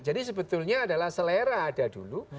jadi sebetulnya adalah selera ada dulu